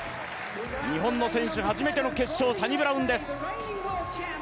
日本の選手初めての決勝、サニブラウンです。